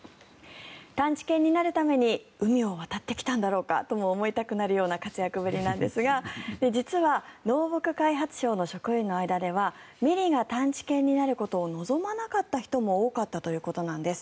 探知犬になるために海を渡ってきたんだろうかとも思いたくなるような活躍ぶりなんですが実は、農牧開発省の職員の間ではミリが探知犬になることを望まなかった人も多かったということです。